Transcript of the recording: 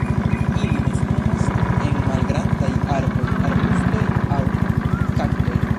Ili nestumas en malgrandaj arboj, arbustoj aŭ kaktoj.